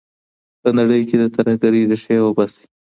په نړۍ کي د ترهګرۍ ریښې وباسئ.